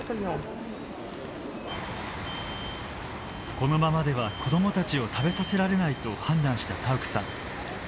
このままでは子どもたちを食べさせられないと判断したタウクさん。